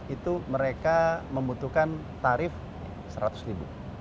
itu mereka membutuhkan tarif seratus ribu